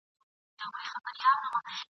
پکښی وینو به یارانو د رڼا د بري څلی !.